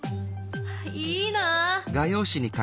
いいなあ。